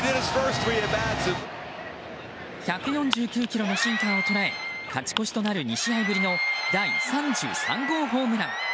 １４９キロのシンカーをとらえ勝ち越しとなる２試合ぶりの第３３号ホームラン。